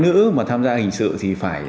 nếu mà tham gia hình sự thì phải